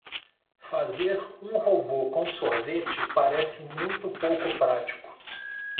Fazer um robô com sorvete parece muito pouco prático.